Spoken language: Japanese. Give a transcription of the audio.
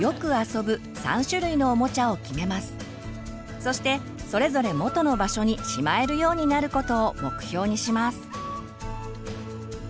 そしてそれぞれ元の場所にしまえるようになることを目標にします。